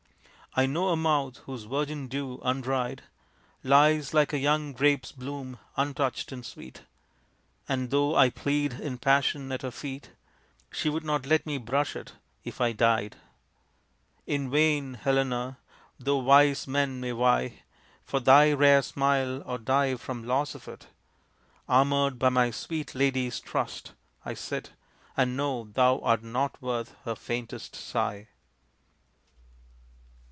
(I know a mouth whose virgin dew, undried, Lies like a young grape's bloom, untouched and sweet, And though I plead in passion at her feet, She would not let me brush it if I died.) In vain, Helena! though wise men may vie For thy rare smile or die from loss of it, Armored by my sweet lady's trust, I sit, And know thou art not worth her faintest sigh.